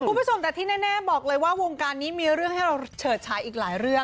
คุณผู้ชมแต่ที่แน่บอกเลยว่าวงการนี้มีเรื่องให้เราเฉิดฉายอีกหลายเรื่อง